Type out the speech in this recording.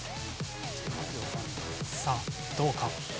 さあどうか？